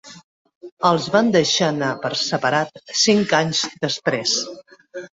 Els van deixar anar per separat cinc anys després.